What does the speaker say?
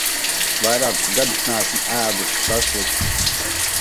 Vairākus gadus neesmu ēdusi šašliku.